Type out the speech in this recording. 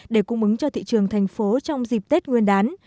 để cung ứng cho thị trường thành phố trong dịp tết nguyên đán